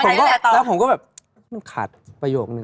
ผมก็แล้วผมก็แบบมันขาดประโยคนึง